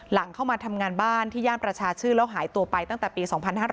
หลังเข้ามาทำงานบ้านที่ย่านประชาชื่นแล้วหายตัวไปตั้งแต่ปี๒๕๕๙